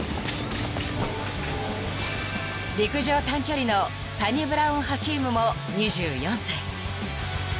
［陸上短距離のサニブラウン・ハキームも２４歳］